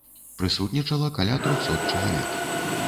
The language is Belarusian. Прысутнічала каля трохсот чалавек.